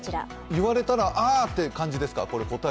言われたらあ、って感じですかこれは？